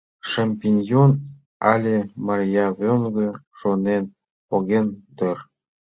Шампиньон але марьявоҥго шонен поген дыр.